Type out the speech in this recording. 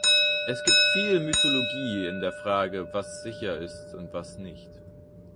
Es gibt viel Mythologie in der Frage, was sicher ist und was nicht.